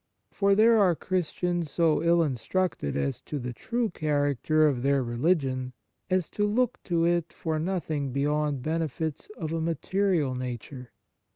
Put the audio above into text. For there are Christians so ill instructed as to the true char acter of their religion as to look to it for nothing beyond benefits of a material nature.